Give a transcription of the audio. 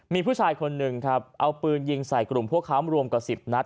มีผู้ชายคนหนึ่งครับเอาปืนยิงใส่กลุ่มพวกเขารวมกว่า๑๐นัด